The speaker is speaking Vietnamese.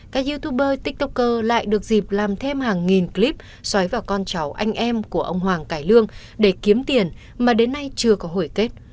các youtube tiktoker lại được dịp làm thêm hàng nghìn clip xoáy vào con cháu anh em của ông hoàng cải lương để kiếm tiền mà đến nay chưa có hồi kết